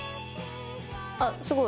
あすごい。